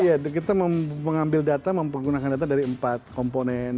iya kita mengambil data mempergunakan data dari empat komponen